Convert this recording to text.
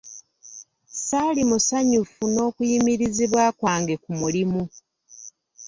Ssaali musanyufu n'okuyimirizibwa kwange ku mulimu.